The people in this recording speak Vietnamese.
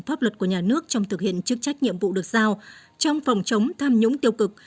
pháp luật của nhà nước trong thực hiện chức trách nhiệm vụ được giao trong phòng chống tham nhũng tiêu cực